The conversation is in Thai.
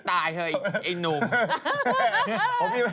ตายเถอะไอ้หนุ่ม